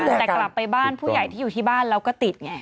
แต่กลับไปบ้านผู้ใหญ่ที่อยู่ที่บ้านแล้วก็ติดไง